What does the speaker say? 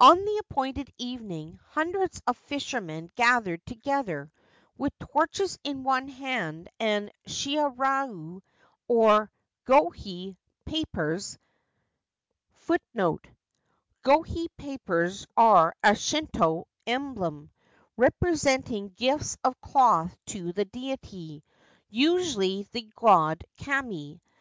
On the appointed evening hundreds of fishermen gathered together with torches in one hand and Shirayu or Gohei 1 papers fastened on a bamboo in the other. 1 Gohei papers are a Shinto emblem, representing gifts of cloth to the deity, usually the god Kami.